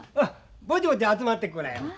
ぼちぼち集まってくらよ。